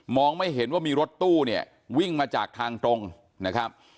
ไม่เห็นว่ามีรถตู้เนี่ยวิ่งมาจากทางตรงนะครับ